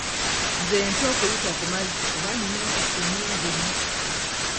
Nze ntya okuyita ku mazzi kuba nnina ensisi nnyingi nnyo.